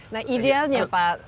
nah idealnya pak